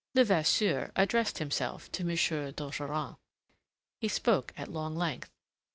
Levasseur addressed himself to M. d'Ogeron. He spoke at long length.